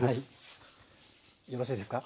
よろしいですか？